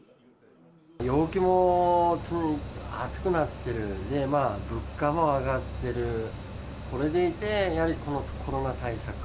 陽気も暑くなってる、物価も上がってる、それでいて、やはりこのコロナ対策。